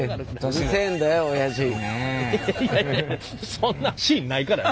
そんなシーンないからね。